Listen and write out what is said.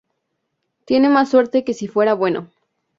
Tiene más suerte que si fuera bueno